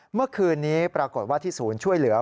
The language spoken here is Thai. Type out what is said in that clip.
เมื่อคืนนี้ปรากฏว่าที่ศูนย์ช่วยเหลือ